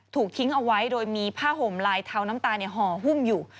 ถูกทิ้งเอาไว้โดยมีผ้าห่มลายเทาน้ำตาลห่อหุ้มอยู่